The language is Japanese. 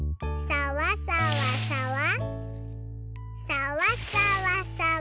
さわさわさわ。